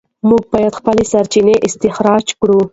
موږ باید خپلې سرچینې استخراج کړو.